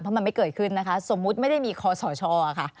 เพราะมันไม่เกิดขึ้นนะคะสมมุติไม่ได้มีคอสชค่ะ